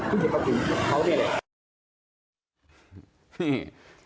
มมพี่ทะเลาะกับเมีย